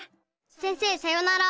先生さよなら。